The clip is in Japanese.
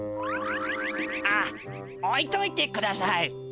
あっおいといてください。